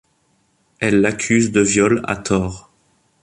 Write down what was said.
Elle l'accuse de viol à tort.